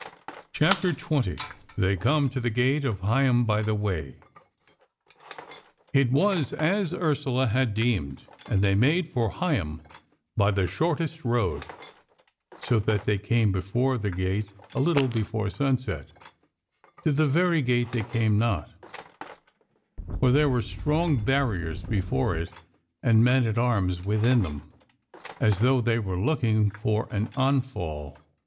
CHAPTER 20 They Come to the Gate of Higham By the Way It was as Ursula had deemed, and they made for Higham by the shortest road, so that they came before the gate a little before sunset: to the very gate they came not; for there were strong barriers before it, and men at arms within them, as though they were looking for an onfall.